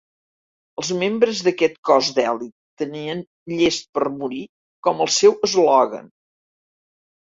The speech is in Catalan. Els membres d'aquest cos d'elit tenien "Llest per morir" com el seu eslògan.